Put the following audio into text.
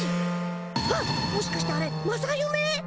はっもしかしてあれ正ゆめ？